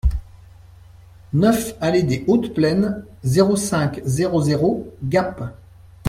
neuf allée Dès Hautes Plaines, zéro cinq, zéro zéro zéro, Gap